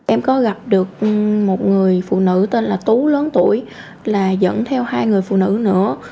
em có gặp được một người phụ nữ tên là tú lớn tuổi là dẫn theo hai người phụ nữ nữa